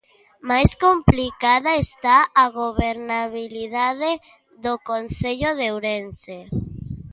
Máis complicada está a gobernabilidade do concello de Ourense.